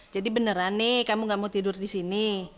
jadi beneran nih kamu gak mau tidur di sini